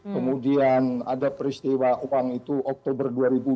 kemudian ada peristiwa uang itu oktober dua ribu dua puluh